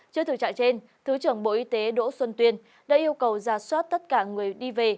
trước thực trạng trên thứ trưởng bộ y tế đỗ xuân tuyên đã yêu cầu giả soát tất cả người đi về